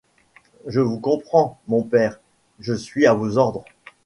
Je vous comprends, mon père, je suis à vos ordres.